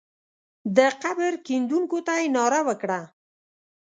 د قبر کیندونکو ته یې ناره وکړه.